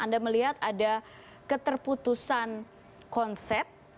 anda melihat ada keterputusan konsep